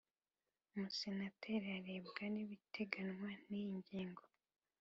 Umusenateri arebwa n’ibiteganywa n’iyi ngingo